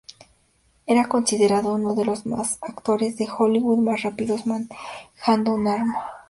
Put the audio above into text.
Era considerado uno de los actores de Hollywood más rápidos manejando un arma.